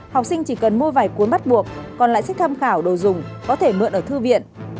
học sinh chỉ cần mua vài cuốn bắt buộc còn lại sách tham khảo đồ dùng có thể mượn ở thư viện